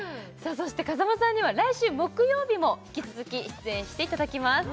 そして風間さんには来週木曜日も引き続き出演していただきます